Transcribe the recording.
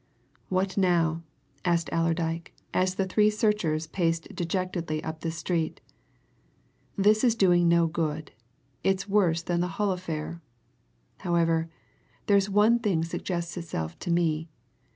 "What now?" asked Allerdyke as the three searchers paced dejectedly up the street. "This is doing no good it's worse than the Hull affair. However, there's one thing suggests itself to me.